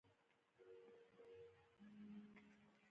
نو په درېمه ورځ به ګودر ته تله.